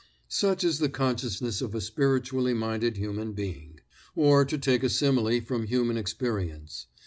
Such is the consciousness of a spiritually minded human being. Or to take a simile from human experience.